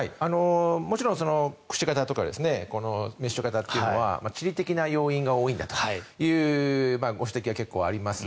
もちろん串型とかメッシュ型というのは地理的な要因が大きいんだというご指摘が結構あります。